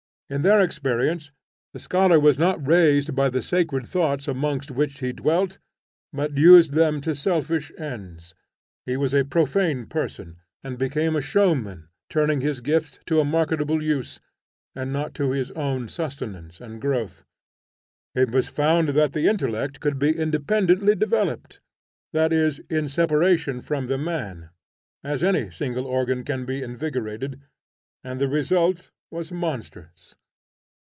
In their experience the scholar was not raised by the sacred thoughts amongst which he dwelt, but used them to selfish ends. He was a profane person, and became a showman, turning his gifts to a marketable use, and not to his own sustenance and growth. It was found that the intellect could be independently developed, that is, in separation from the man, as any single organ can be invigorated, and the result was monstrous.